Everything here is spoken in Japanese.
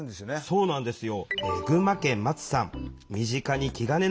そうなんですよ。